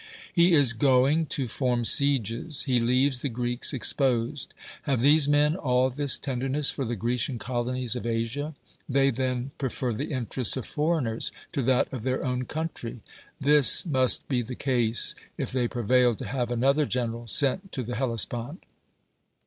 "lie is going to form sieges! he leaves the Greeks ex posed." Have these men all this tenderness for the Grecian colonies of Asia? They then pre fer the interests of foreigners to that of their own country. This must be the case, if they prevail to have another general sent to the Hel lespont.